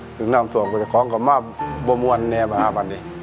ถึงหน้ามทวมก็จะของกับมาบบวมวนในประมาณนี้